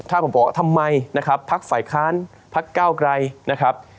ถ้าผมบอกว่าทำไมนะครับพักฝ่ายค้านพักเก้าไกรนะครับ